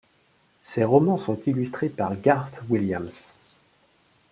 Ces romans sont illustrés par Garth Williams.